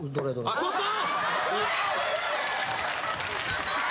あちょっと！